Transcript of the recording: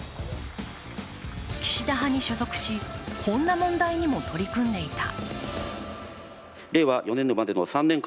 岸田派に所属し、こんな問題にも取り組んでいた。